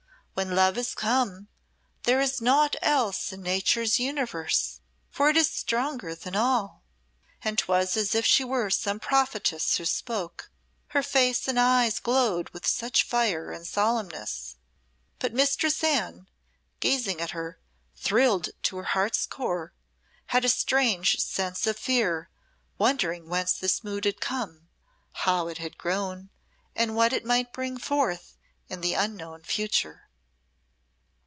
When Love has come, there is naught else in Nature's universe, for it is stronger than all." And 'twas as if she were some prophetess who spoke, her face and eyes glowed with such fire and solemness. But Mistress Anne, gazing at her, thrilled to her heart's core, had a strange sense of fear, wondering whence this mood had come, how it had grown, and what it might bring forth in the unknown future.